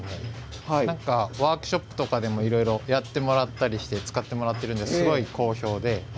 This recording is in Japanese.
ワークショップとかでもいろいろやってもらったりして使ってもらっているんですけどすごく好評です。